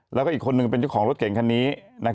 แล้วก็อีกคนหนึ่งเป็นเจ้าของรถเก่งคันนี้